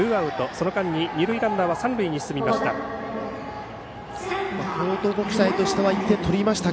その間に二塁ランナーは三塁に進みました。